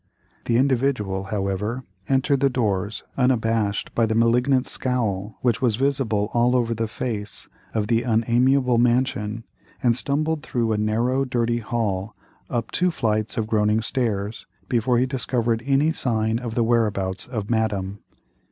The Individual, however, entered the doors, unabashed by the malignant scowl which was visible all over the face of the unamiable mansion, and stumbled through a narrow, dirty hall, up two flights of groaning stairs, before he discovered any sign of the whereabouts of Madame.